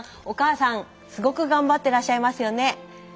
お母さんすごく頑張ってらっしゃいますよね。